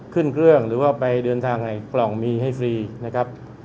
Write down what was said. ขึ้นเครื่องหรือว่าไปเดินทางไอ้กล่องมีให้ฟรีนะครับ